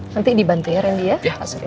nanti dibantunya randy ya pak surya ya